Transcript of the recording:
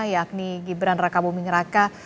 yakni gibran raka buming raka